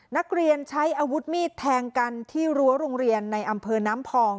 นักเรียนใช้อาวุธมีดแทงกันที่รั้วโรงเรียนในอำเภอน้ำพอง